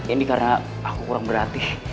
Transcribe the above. ini karena aku kurang berlatih